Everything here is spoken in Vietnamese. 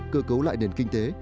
cơ cấu lại đền kinh tế